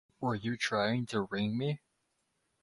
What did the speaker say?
Were you trying to ring me?